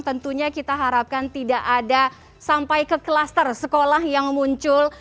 tentunya kita harapkan tidak ada sampai ke klaster sekolah yang muncul